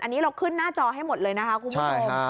อันนี้เราขึ้นหน้าจอให้หมดเลยนะคะคุณผู้ชม